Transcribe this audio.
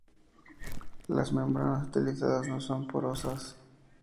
Las membranas utilizadas son no porosas.